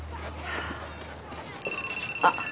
あっ。